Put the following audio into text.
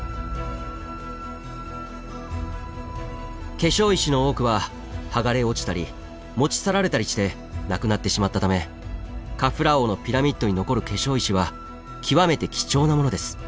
化粧石の多くは剥がれ落ちたり持ち去られたりしてなくなってしまったためカフラー王のピラミッドに残る化粧石は極めて貴重なものです。